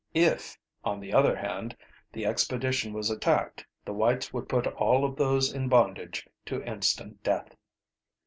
If, on the other hand, the expedition was attacked the whites would put all of those in bondage to instant death.